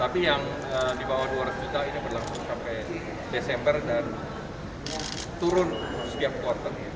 tapi yang di bawah dua ratus juta ini berlangsung sampai desember dan turun setiap kuartal